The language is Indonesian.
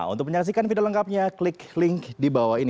untuk menyaksikan video lengkapnya klik link di bawah ini